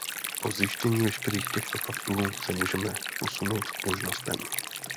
Po zjištění veškerých těchto faktů se můžeme posunout k možnostem.